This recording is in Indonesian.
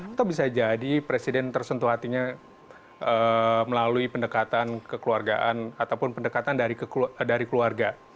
atau bisa jadi presiden tersentuh hatinya melalui pendekatan kekeluargaan ataupun pendekatan dari keluarga